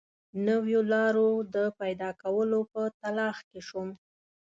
نویو لارو د پیدا کولو په تلاښ کې شوم.